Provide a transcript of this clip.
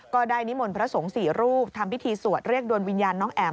นิมนต์พระสงฆ์๔รูปทำพิธีสวดเรียกดวงวิญญาณน้องแอ๋ม